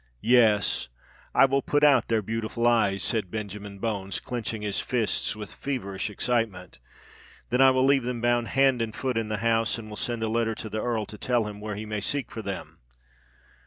"Yes—I will put out their beautiful eyes," said Benjamin Bones, clenching his fists with feverish excitement: "then I will leave them bound hand and foot in the house, and will send a letter to the Earl to tell him where he may seek for them!